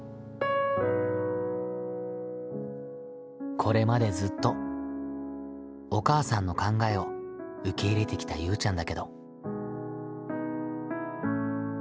これまでずっとお母さんの考えを受け入れてきたゆうちゃんだけど。